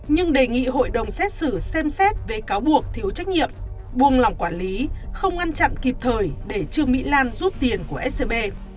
nhưng đề nghị hội đồng xét xử xem xét về cáo buộc thiếu trách nhiệm buông lòng quản lý không ngăn chặn kịp thời để trương mỹ lan rút tiền của scb